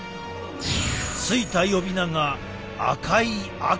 付いた呼び名が赤い悪魔。